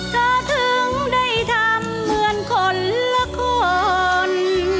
ก็ถึงได้ทำเหมือนคนละคน